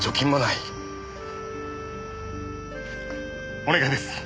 お願いです！